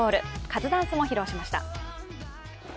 カズダンスも披露しました。